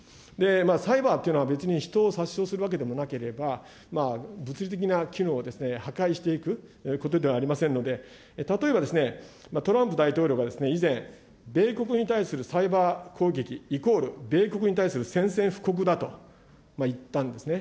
サイバーというのは別に人を殺傷するわけでもなければ、物理的な機能を破壊していくことではありませんので、例えば、トランプ大統領が以前、米国に対するサイバー攻撃イコール米国に対する宣戦布告だと言ったんですね。